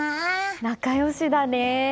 仲良しだね！